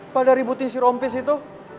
pada ributin si rompis itu